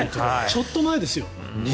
ちょっと前ですよ。